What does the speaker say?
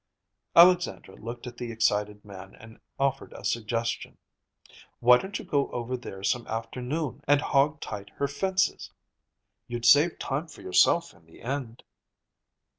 Alexandra looked at the excited man and offered a suggestion. "Why don't you go over there some afternoon and hog tight her fences? You'd save time for yourself in the end."